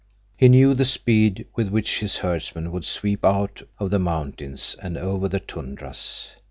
He knew the speed with which his herdsmen would sweep out of the mountains and over the tundras.